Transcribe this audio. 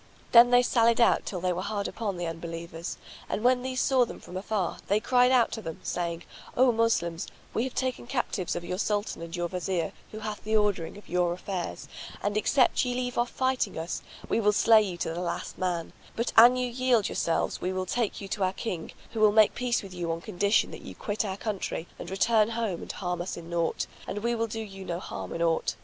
Then they sallied out till they were hard upon the Unbelievers and, when these saw them from afar, they cried out to them, saying, "O Moslems, we have taken captives your Sultan and your Wazir who hath the ordering of your affairs; and except ye leave off fighting us, we will slay you to the last man; but an you yield yourselves we will take you to our King, who will make peace with you on condition that you quit our country and return home and harm us in naught, and we will do you no harm in aught.